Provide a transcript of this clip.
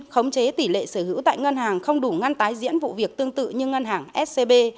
khống chế tỷ lệ sở hữu tại ngân hàng không đủ ngăn tái diễn vụ việc tương tự như ngân hàng scb